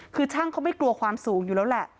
คือช่างเขาไม่กลัวความสูงอยู่แล้วแหละ